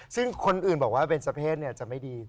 ซึ่งคนอื่นบอกว่าเป็นเจ้าเพศจะไม่ดี